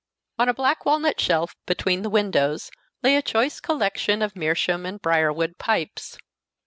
On a black walnut shelf between the windows lay a choice collection of meerschaum and brier wood pipes.